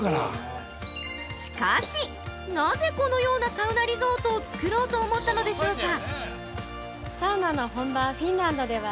しかし、なぜ、このようなサウナリゾートを作ろうと思ったのでしょうか？